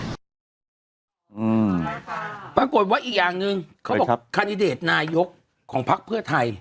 ปรากฏว่าอีกอย่างหนึ่งเขาบอกคันดิเดตนายกของพักเพื่อไทย